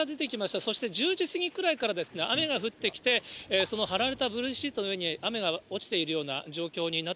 そして１０時過ぎくらいから雨が降ってきて、その張られたブルーシートの上に雨が落ちているような状況になっ